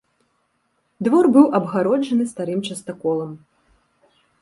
Двор быў абгароджаны старым частаколам.